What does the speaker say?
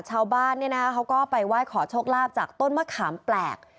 ชาวบ้านเนี่ยนะเขาก็ไปไหว้ขอโชคลาภจากต้นมะขามแปลก